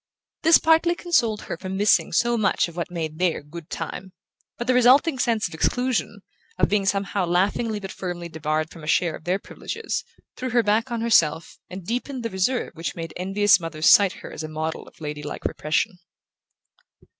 This partly consoled her for missing so much of what made their "good time"; but the resulting sense of exclusion, of being somehow laughingly but firmly debarred from a share of their privileges, threw her back on herself and deepened the reserve which made envious mothers cite her as a model of ladylike repression.